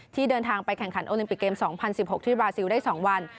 เดินทางไปแข่งขันโอลิมปิกเกม๒๐๑๖ที่บราซิลได้๒วัน